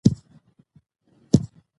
د ولس ملاتړ باور ته اړتیا لري